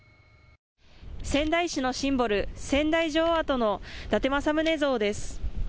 仙台市のシンボル、仙台城跡の伊達政宗像です。